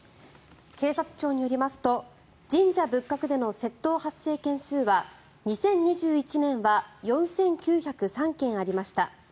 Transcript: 警察庁によりますと神社仏閣での窃盗発生件数は２０２１年は４９０３件ありました。